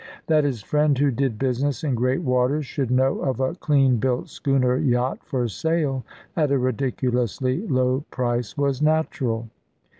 That his friend who did business in great waters should know of a clean built schooner yacht for sale at a ridiculously low price was natural.